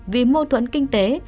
vì mô thuẫn kinh tế